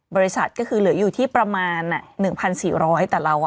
บริษัทก็คือเหลืออยู่ที่ประมาณน่ะหนึ่งพันสี่ร้อยแต่เราอ่ะ